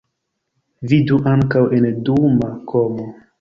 Vidu ankaŭ en duuma komo.